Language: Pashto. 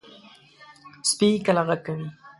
سپي کله غږ کوي.